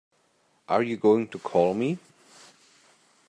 Are you going to call me?